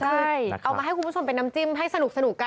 ใช่เอามาให้คุณผู้ชมเป็นน้ำจิ้มให้สนุกกัน